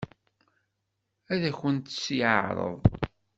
Ad akent-tt-yeɛṛeḍ?